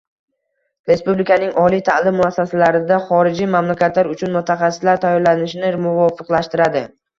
respublikaning oliy ta’lim muassasalarida xorijiy mamlakatlar uchun mutaxassislar tayyorlanishini muvofiqlashtiradi;